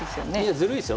ずるいですよ。